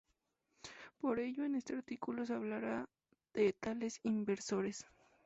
Por ello, en este artículo se hablará de tales inversores.